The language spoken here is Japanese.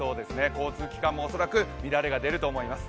交通機関も恐らく乱れが出ると思います。